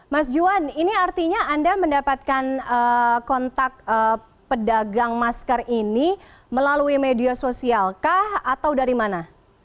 mas juwan ini artinya anda mendapatkan kontak pedagang masker ini melalui media sosialkah atau dari mana